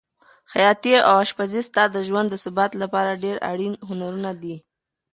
خیاطي او اشپزي ستا د ژوند د ثبات لپاره ډېر اړین هنرونه دي.